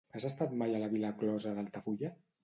Has estat mai a la vila closa d'Altafulla?